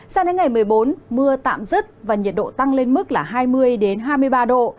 sang đến ngày một mươi bốn mưa tạm dứt và nhiệt độ tăng lên mức là hai mươi hai mươi ba độ